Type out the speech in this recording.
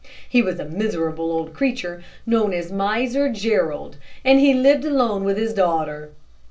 He was a miserable old creature, known as Miser Jerrold, and he lived alone with his daughter.